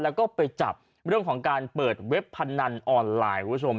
แล้วก็ไปจับเรื่องของการเปิดเว็บพนันออนไลน์คุณผู้ชม